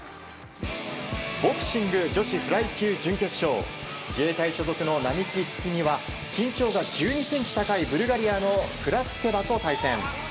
ボクシング女子フライ級準決勝自衛隊所属の並木月海は身長が１２ｃｍ高いブルガリアのクラステバと対戦。